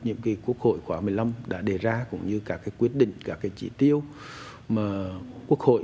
nhiệm kỳ quốc hội khóa một mươi năm đã đề ra cũng như các quyết định các cái chỉ tiêu mà quốc hội